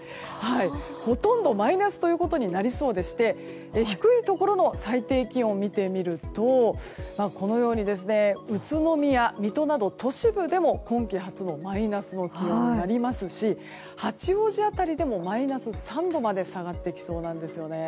ほとんどマイナスということになりそうでして低いところの最低気温を見てみると宇都宮、水戸など都市部でも今季初のマイナスの気温になりますし八王子辺りでもマイナス３度まで下がってきそうなんですよね。